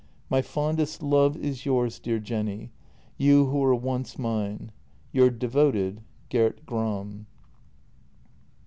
" My fondest love is yours, dear Jenny — you who were once mine. — Your devoted, Gert Gram."